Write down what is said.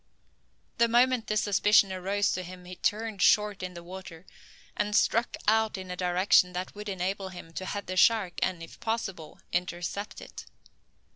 The moment this suspicion arose to him he turned short in the water, and struck out in a direction that would enable him to head the shark, and, if possible, intercept it.